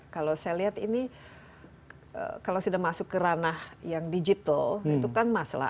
kalau saya lihat ini kalau sudah masuk ke ranah yang digital itu kan masalah